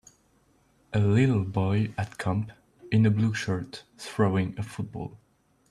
A little boy at camp, in a blue shirt, throwing a football.